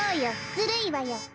ずるいわよ。